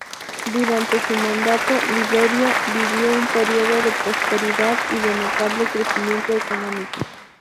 Durante su mandato, Liberia, vivió un período de prosperidad, y de notable crecimiento económico.